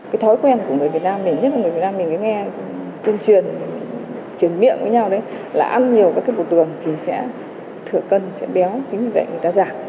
cái thói quen của người việt nam mình nhất là người việt nam mình cứ nghe tuyên truyền truyền miệng với nhau đấy là ăn nhiều các cái bột đường thì sẽ thửa cân sẽ béo tính như vậy người ta giảm